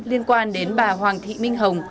liên quan đến bà hoàng thị minh hồng